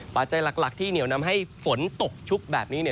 ปัจจัยหลักที่เหนียวนำให้ฝนตกชุกแบบนี้